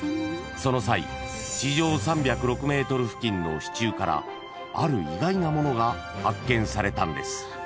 ［その際地上３０６ｍ付近の支柱からある意外なものが発見されたんです］